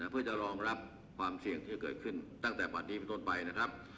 เพื่อจะรองรับความเสี่ยงที่เกิดขึ้นตั้งแต่บัตรนี้เป็นต้นไปนะครับ